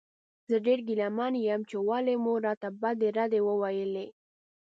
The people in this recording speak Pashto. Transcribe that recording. زه ډېر ګیله من یم چې ولې مو راته بدې ردې وویلې.